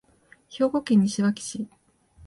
兵庫県西脇市